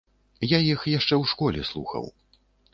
Я іх яшчэ ў школе слухаў.